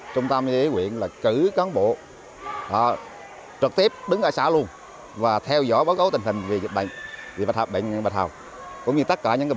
trung tâm y tế huyện là cử cán bộ trực tiếp đứng ở xã luôn và theo dõi báo cáo tình hình về bệnh bạch hầu